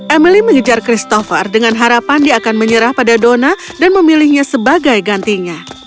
emily mengejar christopher dengan harapan dia akan menyerah pada donna dan memilihnya sebagai gantinya